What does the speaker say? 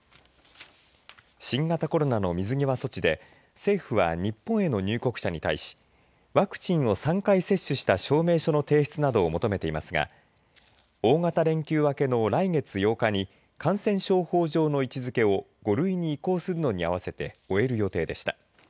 新型コロナの水際措置で政府は日本への入国者に対しワクチンを３回接種した証明書の提出などを求めていますが大型連休明けの来月８日に感染症法上の位置づけを５類に移行するのに合わせて終える予定でした。